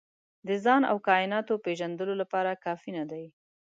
د ځان او کایناتو پېژندلو لپاره کافي نه دي.